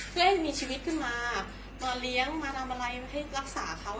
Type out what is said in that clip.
เพื่อให้มีชีวิตขึ้นมามาเลี้ยงมาทำอะไรให้รักษาเขา